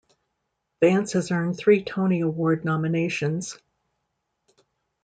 Vance has earned three Tony Award nominations.